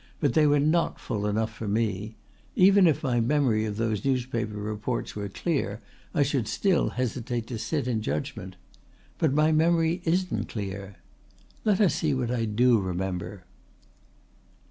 But they were not full enough for me. Even if my memory of those newspaper reports were clear I should still hesitate to sit in judgment. But my memory isn't clear. Let us see what I do remember."